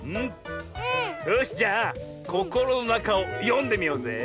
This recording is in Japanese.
よしじゃあ「ココロのなか」をよんでみようぜ。